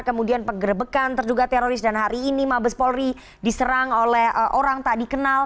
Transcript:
kemudian penggerbekan terduga teroris dan hari ini mabes polri diserang oleh orang tak dikenal